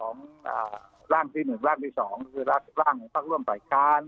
ซึ่งร่างที่หนึ่งร่างที่สองคือร่างภักร่วมภัยการ